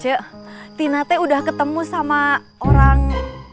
cik tina t udah ketemu sama orang